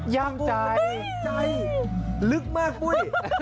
ใจลึกมากปุ๊ย